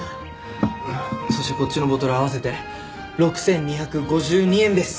そしてこっちのボトル合わせて６２５２円です。